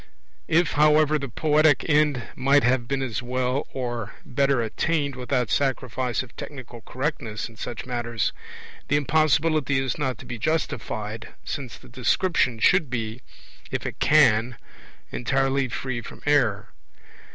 If, however, the poetic end might have been as well or better attained without sacrifice of technical correctness in such matters, the impossibility is not to be justified, since the description should be, if it can, entirely free from error.